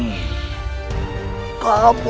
kamu pasti tidak akan mungkin mengakui kejahatanmu